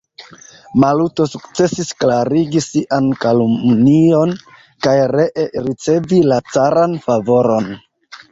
Maluto sukcesis klarigi sian kalumnion kaj ree ricevi la caran favoron.